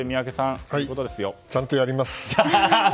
はい、ちゃんとやります。